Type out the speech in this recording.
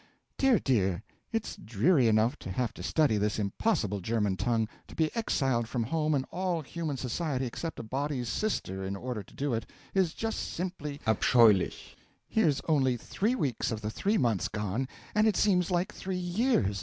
Dear, dear! it's dreary enough, to have to study this impossible German tongue: to be exiled from home and all human society except a body's sister in order to do it, is just simply abscheulich. Here's only three weeks of the three months gone, and it seems like three years.